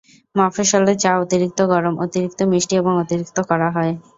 মফস্বলের চা অতিরিক্ত গরম, অতিরিক্ত মিষ্টি এবং অতিরিক্ত কড়া হয়।